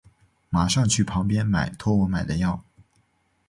马上去旁边买托我买的药